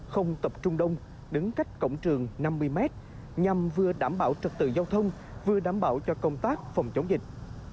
không tập trung đông đứng cách cổng trường năm mươi m nhằm vừa đảm bảo trật tự giao thông vừa đảm bảo cho công tác phòng chống dịch